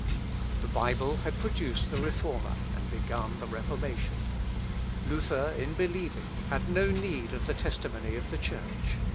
The Bible had produced the Reformer and begun the Reformation. Luther, in believing, had no need of the testimony of the Church.